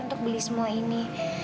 untuk beli semua ini